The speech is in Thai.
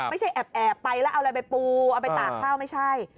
ไม่ใช่แอบไปแล้วเอาอะไรไปปูเอาไปตากข้าวไม่ใช่